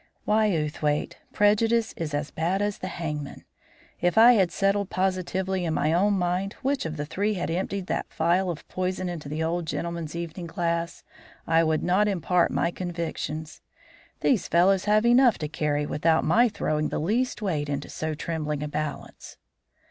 Why, Outhwaite, prejudice is as bad as the hangman! If I had settled positively in my own mind which of the three had emptied that phial of poison into the old gentleman's evening glass, I would not impart my convictions. These fellows have enough to carry without my throwing the least weight into so trembling a balance."